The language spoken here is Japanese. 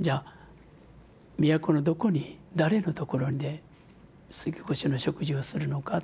じゃあ都のどこに誰のところで過越の食事をするのか。